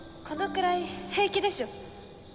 このくらい平気でしょ。